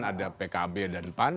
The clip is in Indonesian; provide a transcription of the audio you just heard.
ada pkb dan pan